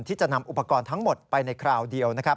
ที่จะนำอุปกรณ์ทั้งหมดไปในคราวเดียว